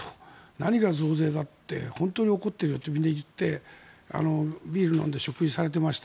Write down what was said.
何が増税だと本当に怒っているよってみんな言ってビール飲んで食事されていました。